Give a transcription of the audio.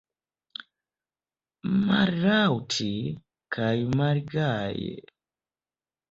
Mallaŭte kaj malgaje.